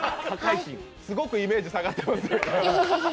すごくイメージ下がってます。